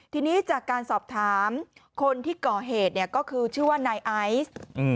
ทีนี้จากการสอบถามคนที่ก่อเหตุเนี่ยก็คือชื่อว่านายไอซ์